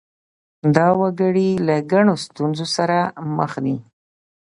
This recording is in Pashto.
دا وګړي له ګڼو ستونزو سره مخ دي.